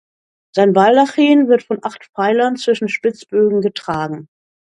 Sein Baldachin wird von acht Pfeilern zwischen Spitzbögen getragen.